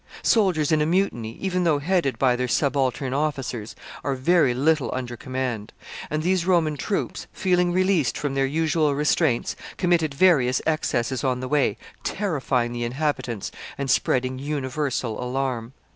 Soldiers in a mutiny, even though headed by their subaltern officers, are very little under command; and these Roman troops, feeling released from their usual restraints, committed various excesses on the way, terrifying the inhabitants and spreading universal alarm.